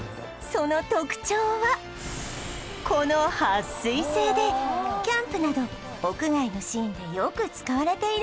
その特徴はこの撥水性でキャンプなど屋外のシーンでよく使われているんです